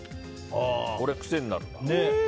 これ癖になるわ。